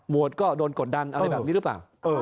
ก็โดนกดดันอะไรแบบนี้หรือเปล่า